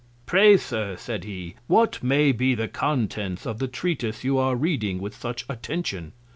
Pray, Sir, said he, what may be the Contents of the Treatise you are reading with such Attention.